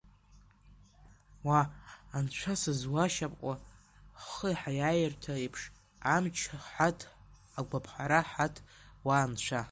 Уа, Анцәа, сызуашьапкуа, ҳхы ҳаиааиртә еиԥш амч ҳаҭ, агәаԥхара ҳаҭ, уа, Анцәа.